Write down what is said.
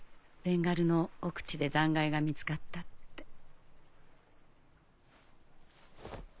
ベンガルの奥地で残骸が見つかったって。